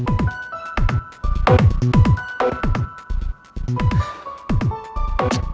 udah ngeri ngeri aja